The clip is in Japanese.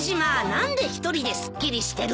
何で１人ですっきりしてるんだ？